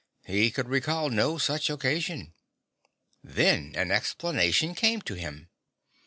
He could recall no such occasion. Then an explanation came to him.